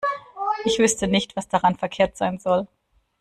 Ich wüsste nicht, was daran verkehrt sein soll.